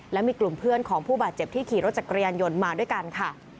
และมีกลุ่มเพื่อนของผู้บาดเจ็บที่ขี่รถจักรยานยนต์มาด้วยกันค่ะ